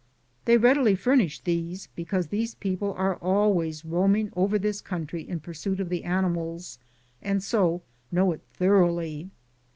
They readily furnished these, because these people are always roam ing over this country in pursuit of the ani mals and so know it thoroughly.